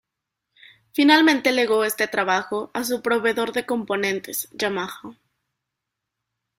Finalmente legó este trabajo a su proveedor de componentes, Yamaha.